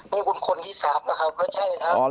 นี่คุณคนที่๓นะครับไม่ใช่ครับ